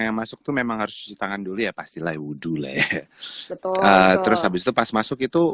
yang masuk tuh memang harus susitangan dulu ya pasti lewudul eh terus habis itu pas masuk itu